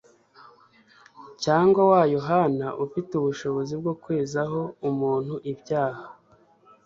cyangwa wa Yohana ufite ubushobozi bwo kwezaho umuntu ibyaha.